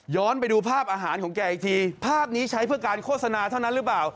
ไปดูภาพอาหารของแกอีกทีภาพนี้ใช้เพื่อการโฆษณาเท่านั้นหรือเปล่า